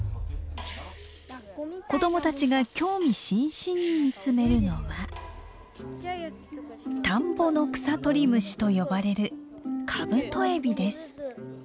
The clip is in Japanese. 子供たちが興味津々に見つめるのは田んぼの草取り虫と呼ばれるカブトエビです。